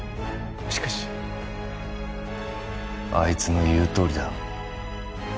しかしあいつの言うとおりだ